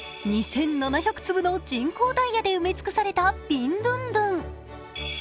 ２７００粒の人工ダイヤで埋め尽くされたビンドゥンドゥン。